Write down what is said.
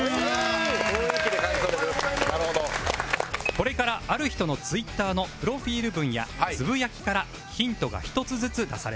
これからある人の Ｔｗｉｔｔｅｒ のプロフィール文やつぶやきからヒントが一つずつ出されます